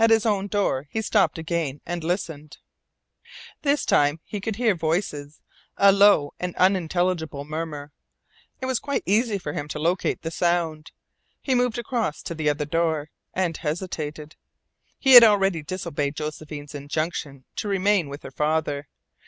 At his own door he stopped again and listened. This time he could hear voices, a low and unintelligible murmur. It was quite easy for him to locate the sound. He moved across to the other door, and hesitated. He had already disobeyed Josephine's injunction to remain with her father.